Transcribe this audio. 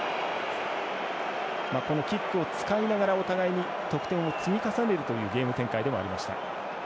このキックを使いながらお互いに得点を積み重ねるというゲーム展開ではありました。